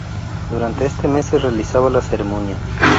Durante este mes se realizaba la ceremonia.